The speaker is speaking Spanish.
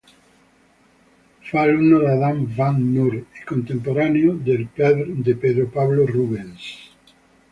Fue alumno de Adam van Noort y contemporáneo de Pedro Pablo Rubens.